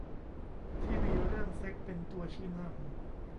ที่มีเรื่องเซ็กส์เป็นตัวชี้นำ